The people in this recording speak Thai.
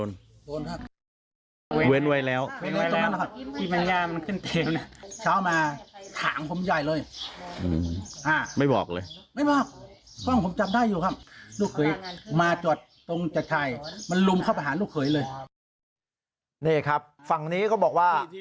นี่ครับฝั่งนี้ก็บอกว่า